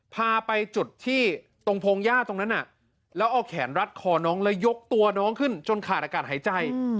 พาไปจุดที่ตรงพงหญ้าตรงนั้นแล้วเอาแขนรัดคอน้องแล้วยกตัวน้องขึ้นจนขาดอากาศหายใจ